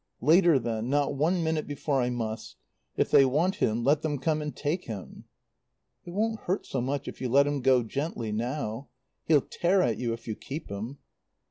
"Later, then. Not one minute before I must. If they want him let them come and take him." "It won't hurt so much if you let him go, gently, now. He'll tear at you if you keep him."